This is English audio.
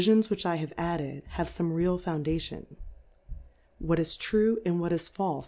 is which I have added, havefome real Foun dation j what is true, and what isfalfe are PREFACE.